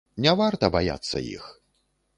Не варта баяцца іх.